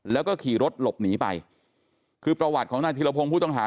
แล้วก็ขี่รถหลบหนีไปคือประวัติของนายธิรพงศ์ผู้ต้องหา